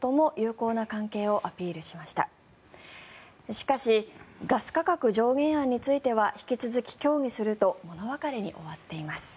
しかしガス価格上限案については引き続き協議すると物別れに終わっています。